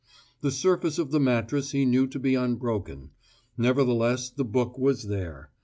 The surface of the mattress he knew to be unbroken; nevertheless the book was there.